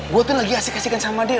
gue tuh lagi asyik asyikan sama dia